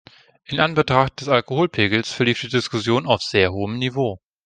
In Anbetracht des Alkoholpegels verlief die Diskussion auf sehr hohem Niveau.